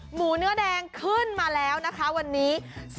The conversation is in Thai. หมูเนื้อแดงขึ้นมาแล้วนะคะวันนี้